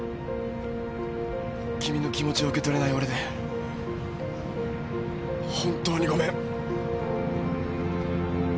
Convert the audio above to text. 君の気持ちを受け取れない俺で本当にごめん。